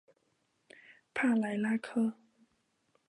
帕莱拉克。